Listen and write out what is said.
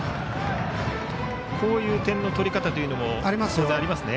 こういう点の取り方も当然ありますね。